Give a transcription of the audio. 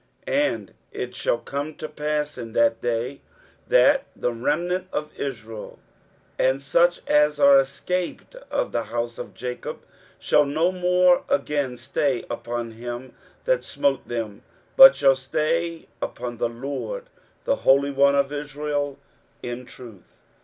23:010:020 And it shall come to pass in that day, that the remnant of Israel, and such as are escaped of the house of Jacob, shall no more again stay upon him that smote them; but shall stay upon the LORD, the Holy One of Israel, in truth.